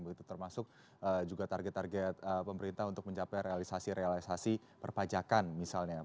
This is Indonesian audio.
begitu termasuk juga target target pemerintah untuk mencapai realisasi realisasi perpajakan misalnya